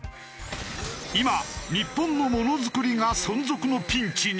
今日本のものづくりが存続のピンチに。